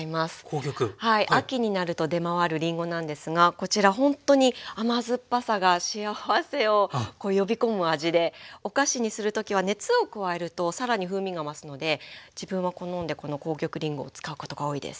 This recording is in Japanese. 秋になると出回るりんごなんですがこちらほんとに甘酸っぱさが幸せを呼び込む味でお菓子にする時は熱を加えると更に風味が増すので自分は好んでこの紅玉りんごを使うことが多いです。